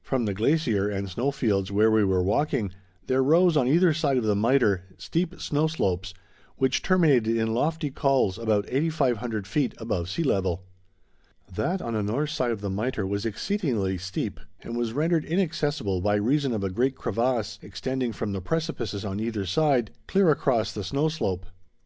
From the glacier and snow fields where we were walking, there rose on either side of the Mitre, steep snow slopes, which terminated in lofty cols about 8500 feet above sea level. That on the north side of the Mitre was exceedingly steep, and was rendered inaccessible by reason of a great crevasse, extending from the precipices on either side, clear across the snow slope.